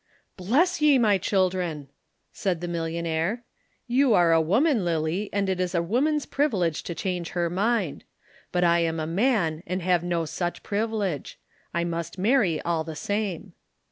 "Bless ye, my children!" said the millionaire. "You are a woman, Lillie, and it is a woman's privilege to change her mind. But I am a man and have no such privilege. I must marry all the same."